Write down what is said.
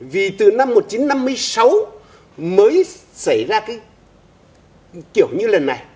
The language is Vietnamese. vì từ năm một nghìn chín trăm năm mươi sáu mới xảy ra cái kiểu như lần này